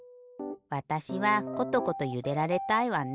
わたしはコトコトゆでられたいわね。